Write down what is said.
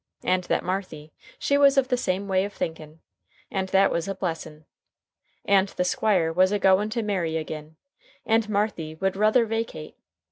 And that Marthy, she was of the same way of thinkin', and that was a blessin'. And the Squire was a goin' to marry agin', and Marthy would ruther vacate.